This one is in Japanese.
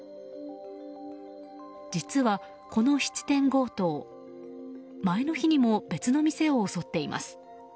実は、この質店強盗前の日にも別の店を襲っています。